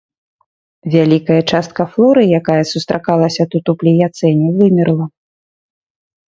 Вялікая частка флоры, якая сустракалася тут у пліяцэне, вымерла.